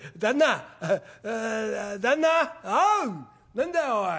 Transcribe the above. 何だおい。